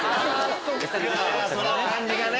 その感じがね！